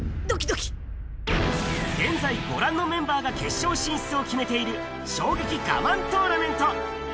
現在、ご覧のメンバーが決勝進出を決めている衝撃我慢トーナメント。